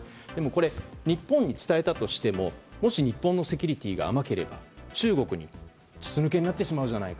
これ日本に伝えたとしてももし日本のセキュリティーが甘ければ中国に筒抜けになっちゃうじゃない。